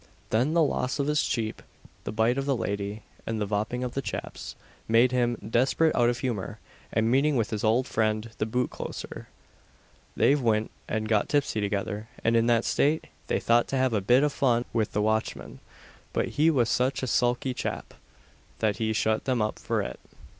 Then the loss of his sheep, the bite of the lady, and "the vhopping of the chaps," made him "desperate out of humour," and meeting with his old friend the boot closer, they went and got tipsy together, and, in that state, they thought to have a bit of fun with the watchman; but he was "sich a sulky chap," that he shut them up for it.